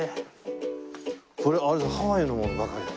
これハワイのものばかりだ。